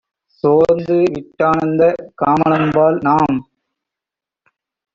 சோர்ந்துவிட் டானந்தக் காமனம்பால்! - நாம்